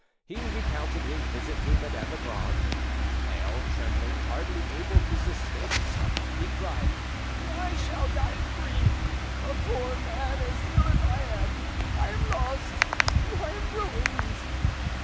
He recounted his visit to Madame Legrand, and pale, trembling, hardly able to sustain himself, he cried— "I shall die of grief! A poor man as ill as I am! I am lost! I am ruined!"